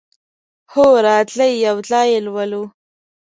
هو، راځئ یو ځای یی لولو